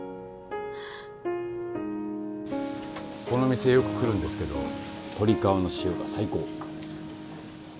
この店よく来るんですけど鶏皮の塩が最高